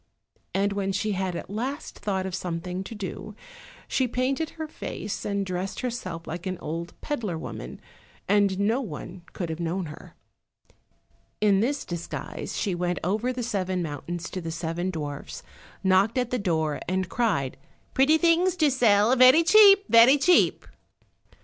And when she had at last thought of something to do, she painted her face, and dressed herself like an old peddler woman, and no one could have known her. In this disguise she went over the seven mountains to the seven dwarfs, and knocked at the door and cried, "Pretty things to sell, very cheap, very cheap."